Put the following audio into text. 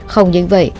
không những vậy